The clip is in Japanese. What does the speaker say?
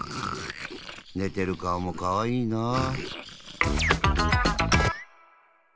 ねてる顔もかわいいなあ。